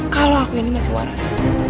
kalau aku ini masih waras